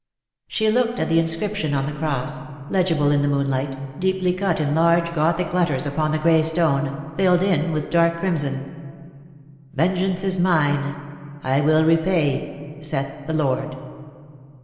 She looked at the inscription on the cross, legible in the moonlight, deeply cut in large Gothic letters upon the grey stone, filled in with dark crimson. " Vengeance is mine: I will repay, saith the Lobd."